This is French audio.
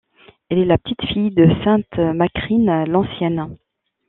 Elle est la petite-fille de sainte Macrine l'Ancienne.